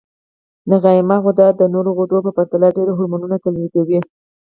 نخامیه غده د نورو غدو په پرتله ډېر هورمونونه تولیدوي.